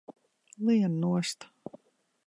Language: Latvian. Lien nost!